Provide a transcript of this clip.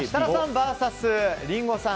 ＶＳリンゴさん